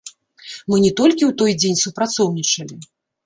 Мы не толькі ў той дзень супрацоўнічалі.